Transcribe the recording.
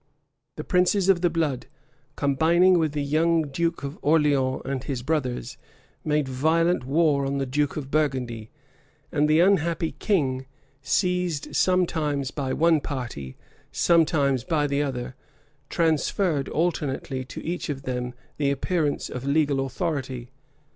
The princes of the blood, combining with the young duke of Orleans and his brothers, made violent war on the duke of Burgundy; and the unhappy king, seized sometimes by one party, sometimes by the other, transferred alternately to each of them the appearance of legal authority.